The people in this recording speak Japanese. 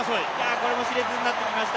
これもしれつになってきました。